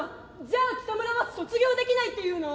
じゃあキタムラは卒業できないっていうの？」。